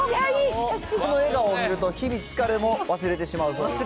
この笑顔を見ると、日々疲れも忘れてしまうそうです。